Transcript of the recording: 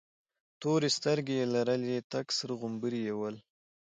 تورې سترگې يې لرلې، تک سره غمبوري یې ول.